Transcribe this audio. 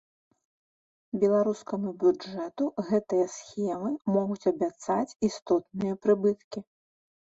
Беларускаму бюджэту гэтыя схемы могуць абяцаць істотныя прыбыткі.